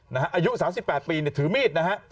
อายุ๓๘ปีถือมีดนะฮะ